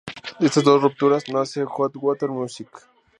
De estas dos rupturas nace Hot Water Music.